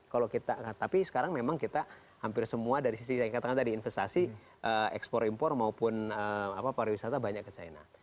kalau kita tapi sekarang memang kita hampir semua dari sisi saya katakan tadi investasi ekspor impor maupun pariwisata banyak ke china